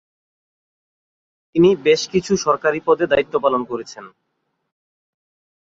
তিনি বেশ কিছু সরকারি পদে দায়িত্বপালন করেছেন।